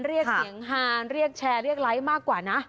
เรียกเสียงฮานเรียกแชร์เรียกไลค์มากกว่านะ